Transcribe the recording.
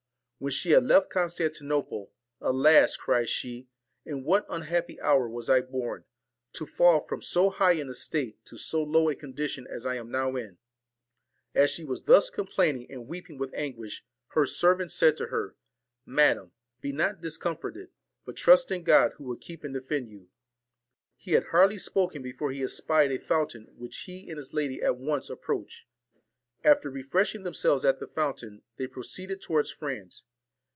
When she had left Constantinople, 'Alas!' cried she, 'in what un happy hour was I born, to fall from so high an estate to so low a condition as I am now in !' As she was thus complaining and weeping with anguish, her servant said to her, ' Madam, be not discomforted, but trust in God, who will keep and defend you.' He had hardly spoken, before he espied a fountain, which he and his lady at once approached. After refreshing themselves at the fountain, they pro ceeded towards France.